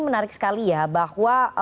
menarik sekali ya bahwa